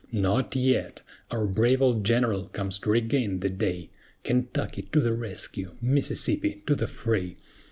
NOT YET! Our brave old General comes to regain the day; KENTUCKY, to the rescue! MISSISSIPPI, to the fray!